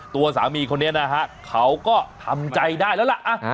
ตัวสามีคนนี้นะฮะเขาก็ทำใจได้แล้วล่ะ